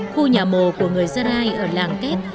khu nhà mồ của người gia rai ở làng kép